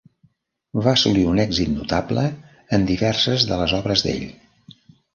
Va assolir un èxit notable en diverses de les obres d'ell.